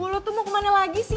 mulut tuh mau kemana lagi sih